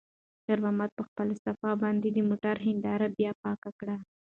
خیر محمد په خپلې صافې باندې د موټر هینداره بیا پاکه کړه.